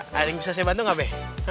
nadine bisa saya bantu gak be